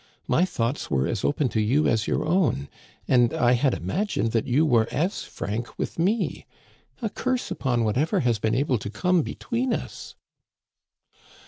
My thoughts were as open to you as your own, and I had imagined that you were as frank with me. A curse upon whatever has been able to come between us